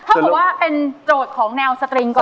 ถ้าเกิดว่าเป็นโจทย์ของแนวสตริงก่อน